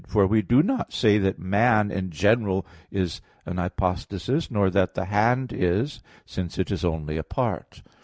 For we do not say that man in general is an hypostasis, nor that the hand is since it is only a part.